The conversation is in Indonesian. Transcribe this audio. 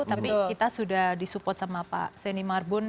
tapi kita sudah disupport sama pak seni marbun